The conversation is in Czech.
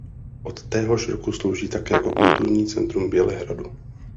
Od téhož roku slouží také jako Kulturní centrum Bělehradu.